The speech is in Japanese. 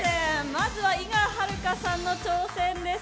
まずは井川遥さんの挑戦です。